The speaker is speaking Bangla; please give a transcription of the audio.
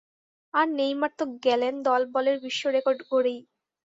আর নেইমার তো গেলেন দলবদলের বিশ্ব রেকর্ড গড়েই।